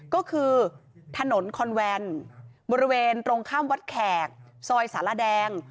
ก็คือถนนคอนแวนบริเวณตรงข้ามวัดแขกซอยสารแดง